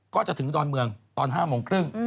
ก็จะถึงดอนเมืองตอน๕โมงครึ่ง